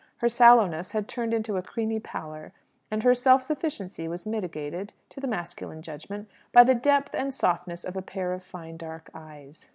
Her sallowness had turned into a creamy pallor, and her self sufficiency was mitigated, to the masculine judgment, by the depth and softness of a pair of fine dark eyes.